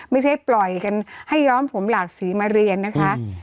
ไม่ใช่ปล่อยกันให้ย้อมผมหลากสีมาเรียนนะคะ